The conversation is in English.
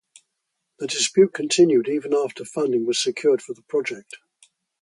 The dispute continued even after funding was secured for the project.